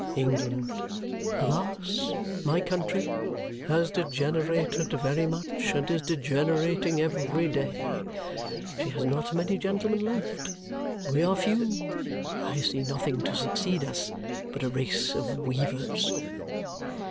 England alas, my country! has degenerated very much, and is degenerating every day. She has not many gentlemen left. We are few. I see nothing to succeed us but a race of weavers."